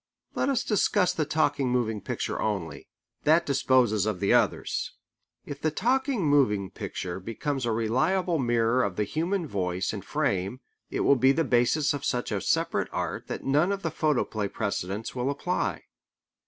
Let us discuss the talking moving picture only. That disposes of the others. If the talking moving picture becomes a reliable mirror of the human voice and frame, it will be the basis of such a separate art that none of the photoplay precedents will apply.